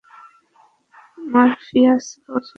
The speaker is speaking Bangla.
মরফিয়াস বলছি, যে বদ্ধ দুয়ার খুলে দিয়েছিল।